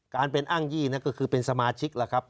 การเป็นอ้างยี่นั่นก็คือเป็นสมาชิกแล้วครับ